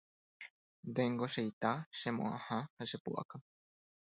ndéngo che ita, che mo'ãha ha che pu'aka